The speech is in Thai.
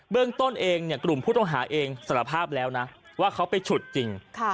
เรื่องต้นเองกลุ่มผู้ต้องหาเองสารภาพแล้วนะว่าเขาไปฉุดจริง